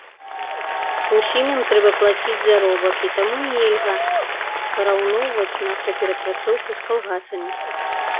Усім ім трэба плаціць заробак, і таму нельга параўноўваць нафтаперапрацоўку з калгасамі.